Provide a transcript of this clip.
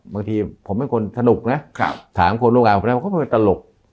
บางทีผมเป็นคนสนุกนะถามคนโรงงานผมก็เป็นคนสนุก